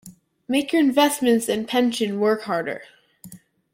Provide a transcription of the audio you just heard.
Make your investments and pension work harder.